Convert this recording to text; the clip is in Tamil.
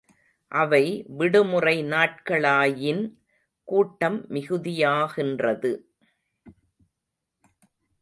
அவை விடுமுறை நாட்களாயின் கூட்டம் மிகுதியாகின்றது.